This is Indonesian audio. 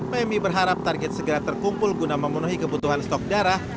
pmi berharap target segera terkumpul guna memenuhi kebutuhan stok darah